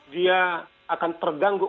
dia akan terganggu